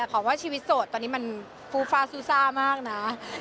ขอว่าชีวิตโสดตอนนี้มันฟูฟ่าซูซ่ามากนะ